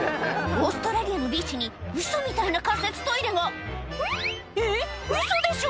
オーストラリアのビーチにウソみたいな仮設トイレがえっウソでしょ